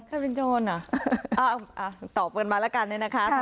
ใครเป็นโจนน่ะตอบมาแล้วกันด้วยนะคะ